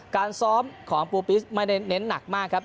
การซ้อมของปูปิสไม่ได้เน้นหนักมากครับ